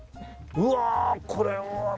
うわあこれはまた。